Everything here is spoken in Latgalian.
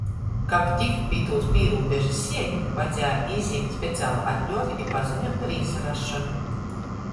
Kab tikt pi itūs pīrūbežys sieņu, vajadzēja izjimt specialu atļuovi i paziņuot par īsarasšonu.